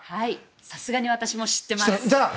さすがに私も知ってます。